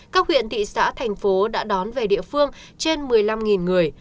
các huyện thị xã thành phố đã đón về địa phương trên một mươi năm người